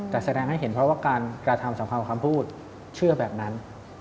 แต่แสดงให้เห็นเพราะว่าการกระทำสำคัญของคำพูดเชื่อแบบนั้น